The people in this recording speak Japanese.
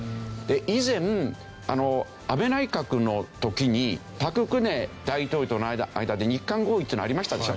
以前安倍内閣の時に朴槿恵大統領との間で日韓合意っていうのがありましたでしょ？